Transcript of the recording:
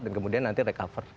dan kemudian nanti recover